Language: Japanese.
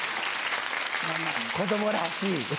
子供らしい。